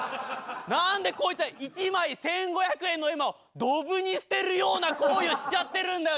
何でこいつは一枚１，５００円の絵馬をどぶに捨てるような行為をしちゃってるんだ。